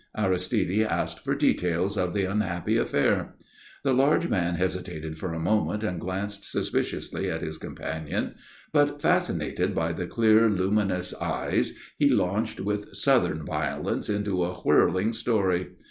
Aristide asked for details of the unhappy affair. The large man hesitated for a moment and glanced suspiciously at his companion; but, fascinated by the clear, luminous eyes, he launched with Southern violence into a whirling story.